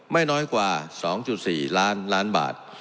ไม่น้อยกว่า๒๔ล้านล้านบาท